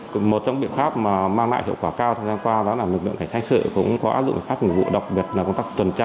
một trong những biện pháp mang lại hiệu quả cao trong thời gian qua là lực lượng phái hãi sự cũng có áp dụng pháp hành vụ đặc biệt là công tác tuần tra